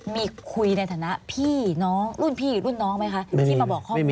มีคุยในฐานะพี่น้องรุ่นพี่รุ่นน้องไหมคะ